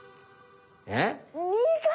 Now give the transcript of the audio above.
えっ？